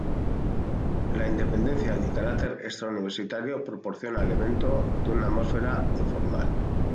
La independencia y el carácter extra-univeristario proporciona al evento de una atmósfera informal.